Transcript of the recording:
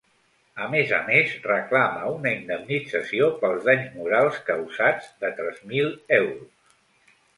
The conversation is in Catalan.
A més a més reclama una indemnització pels danys morals causats de tres mil euros.